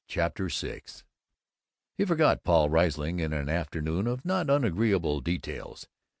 CHAPTER VI I He forgot Paul Riesling in an afternoon of not unagreeable details.